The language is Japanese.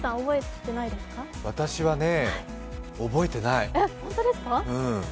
私はね覚えてない。